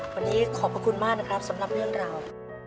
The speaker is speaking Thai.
วันนี้ขอบพระคุณมากนะครับสำหรับเรื่องราว